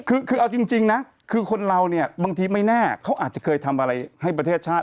คือเอาจริงนะคือคนเราเนี่ยบางทีไม่แน่เขาอาจจะเคยทำอะไรให้ประเทศชาติ